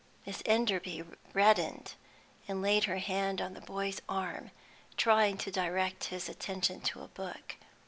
Miss Enderby reddened, and laid her hand on the boy's arm, trying to direct his attention to a book.